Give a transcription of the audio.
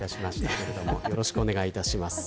けれどもよろしくお願いいたします。